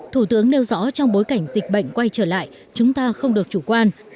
thủ tướng nêu rõ trong bối cảnh dịch bệnh quay trở lại chúng ta không được chủ quan